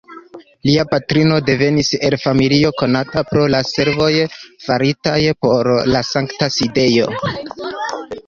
Lia patrino devenis el familio konata pro la servoj faritaj por la Sankta Sidejo.